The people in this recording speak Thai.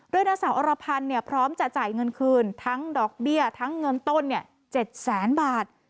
โดยนางสาวอรพันธ์พร้อมจะจ่ายเงินคืนทั้งดอกเบี้ยทั้งเงินต้น๗แสนบาท